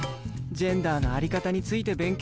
ジェンダーの在り方について勉強しましょう。